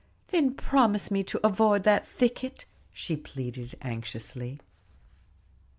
"Then promise me to avoid that thicket," she pleaded anxiously.